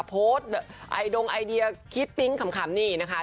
โพสต์ไอดงไอเดียคิดปิ๊งขำนี่นะคะ